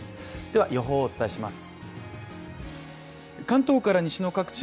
では予報をお伝えします。